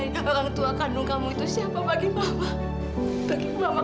yang masih memperanjal di hati mama